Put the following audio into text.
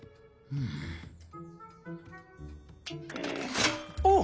うんあっ！